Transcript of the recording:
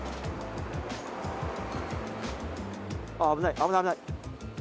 危ない、危ない危ない！